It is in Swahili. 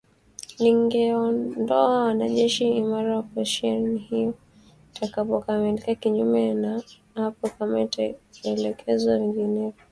Lingeondoa wanajeshi mara operesheni hiyo itakapokamilika kinyume na hapo kama itaelekezwa vinginevyo.